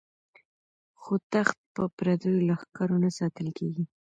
خو تخت په پردیو لښکرو نه ساتل کیږي.